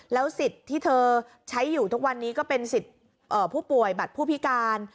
สิทธิ์ที่เธอใช้อยู่ทุกวันนี้ก็เป็นสิทธิ์ผู้ป่วยบัตรผู้พิการ